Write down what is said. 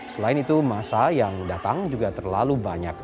selain itu masa yang datang juga terlalu banyak